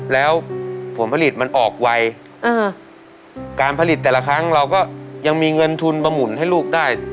แล้วผลผลิตมันออกไวอ่าการผลิตแต่ละครั้งเราก็ยังมีเงินทุนมาหมุนให้ลูกได้